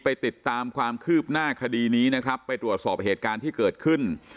ติดตามความคืบหน้าคดีนี้นะครับไปตรวจสอบเหตุการณ์ที่เกิดขึ้น